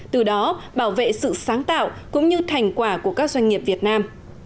từ đó bảo vệ sự sáng tạo cũng như thành quả của các doanh nghiệp việt nam